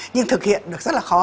nhưng thực hiện được rất là khó